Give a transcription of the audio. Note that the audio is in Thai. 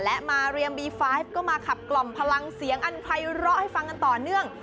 และมาเรียมบีไฟฟ์ก็มาขับกล่อมพลังเสียงอันไพร้อให้ฟังกันต่อเนื่อง